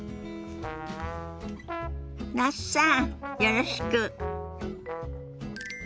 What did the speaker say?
那須さんよろしく。